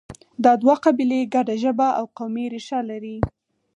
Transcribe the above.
دا دوه قبیلې ګډه ژبه او قومي ریښه لري